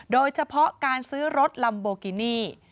โดยเฉพาะการซื้อรถลัมโบกินี่